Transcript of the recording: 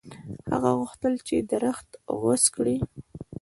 هغه غوښتل چې درخت غوڅ کړي.